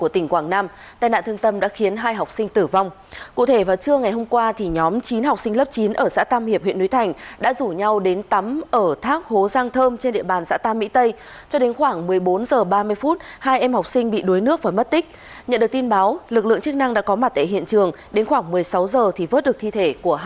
tỉnh đắk minh tỉnh đắk minh tỉnh đắk minh tỉnh đắk minh